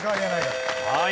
はい。